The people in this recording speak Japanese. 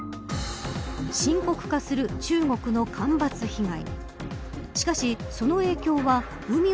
深刻化する中国の干ばつ被害。